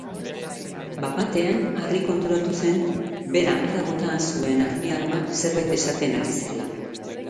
Bat-batean Harry konturatu zen bera hara bota zuen armiarma zerbait esaten ari zela.